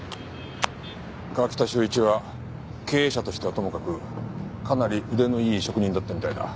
川喜多修一は経営者としてはともかくかなり腕のいい職人だったみたいだ。